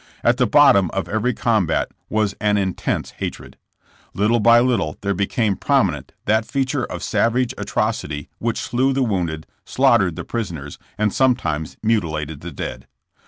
At the bottom of every combat was an intense hatred. Little by little there became prominent that feature of savage atrocity which slew the wounded, slaugh tered the prisoners, and sometimes mutilated the dead.